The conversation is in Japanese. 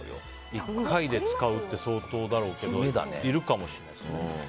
１回で使うって相当だろうけどいるかもしれない。